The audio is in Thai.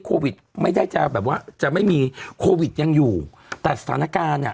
โควิดไม่ได้จะแบบว่าจะไม่มีโควิดยังอยู่แต่สถานการณ์อ่ะ